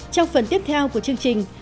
trong phần tiếp theo của chương trình